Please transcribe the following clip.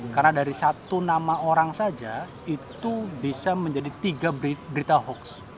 karena dari satu nama orang saja itu bisa menjadi tiga berita hoax